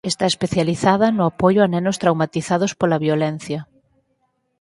Está especializada no apoio a nenos traumatizados pola violencia.